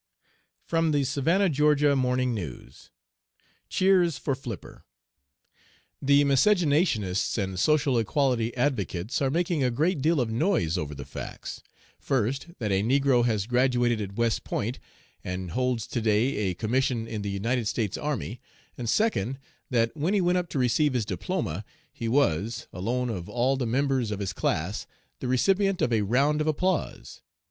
(From the Savannah (Ga.) Morning News.) CHEERS FOR FLIPPER. "The miscegenationists and social equality advocates are making a great deal of noise over the facts, first, that a negro has graduated at West Point, and holds to day a commission in the United States Army; and second, that when he went up to receive his diploma, he was, alone of all the members of his class, the recipient of a round of applause.